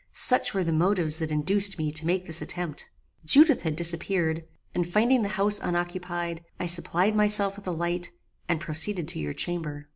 Such were the motives that induced me to make this attempt. Judith had disappeared, and finding the house unoccupied, I supplied myself with a light, and proceeded to your chamber.